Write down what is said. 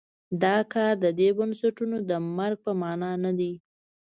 دا کار د دې بنسټونو د مرګ په معنا نه دی.